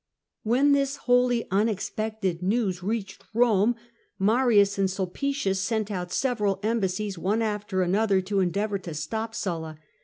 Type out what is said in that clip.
When this wholly unexpected news reached Eome, Marius and Sulpicius sent out several embassies one after another to endeavour to stop Sulla.